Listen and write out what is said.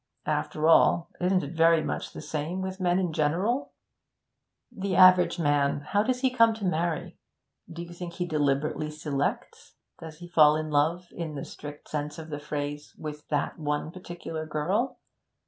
After all, isn't it very much the same with men in general? The average man how does he come to marry? Do you think he deliberately selects? Does he fall in love, in the strict sense of the phrase, with that one particular girl?